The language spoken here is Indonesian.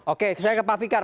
oke saya ke pak fikar